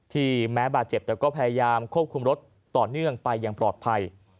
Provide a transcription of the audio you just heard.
แม้บาดเจ็บแต่ก็พยายามควบคุมรถต่อเนื่องไปอย่างปลอดภัย